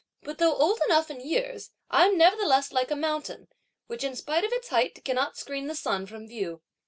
But though old enough in years, I'm nevertheless like a mountain, which, in spite of its height, cannot screen the sun from view.